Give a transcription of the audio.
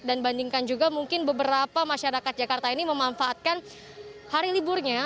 dan bandingkan juga mungkin beberapa masyarakat jakarta ini memanfaatkan hari liburnya